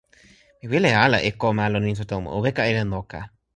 mi wile ala e ko ma lon insa tomo. o weka e len noka.